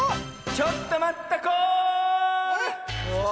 ちょっとまったコール！